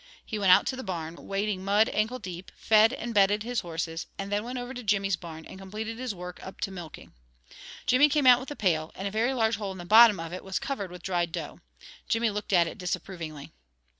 He went out to the barn, wading mud ankle deep, fed and bedded his horses, and then went over to Jimmy's barn, and completed his work up to milking. Jimmy came out with the pail, and a very large hole in the bottom of it was covered with dried dough. Jimmy looked at it disapprovingly.